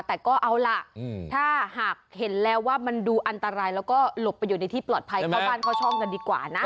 แต่ก็เอาล่ะถ้าหากเห็นแล้วว่ามันดูอันตรายแล้วก็หลบไปอยู่ในที่ปลอดภัยเข้าบ้านเข้าช่องกันดีกว่านะ